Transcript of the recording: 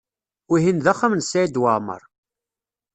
Wihin d axxam n Saɛid Waɛmaṛ.